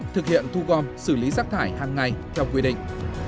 thực hiện thu gom xử lý rác thải hàng ngày theo quy định